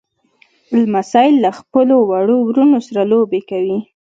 لمسی له خپلو وړو وروڼو سره لوبې کوي.